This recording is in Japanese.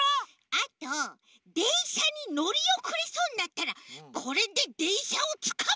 あとでんしゃにのりおくれそうになったらこれででんしゃをつかむ！